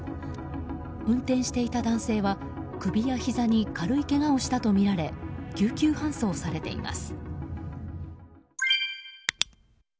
運転していた男性は、首やひざに軽いけがをしたとみられ救急搬送されています。